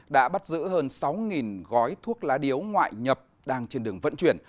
đã bắt giữ hơn sáu gói thuốc lá điếu ngoại nhập đang trên đường vận chuyển